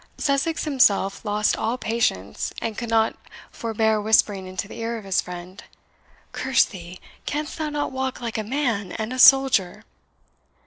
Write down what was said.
Sussex himself lost all patience, and could not forbear whispering into the ear of his friend, "Curse thee! canst thou not walk like a man and a soldier?"